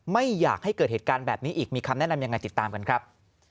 ไม่อยากให้เกิดเหตุการณ์แบบนี้อีกมีคำแนะนำยังไงติดตามกันครับ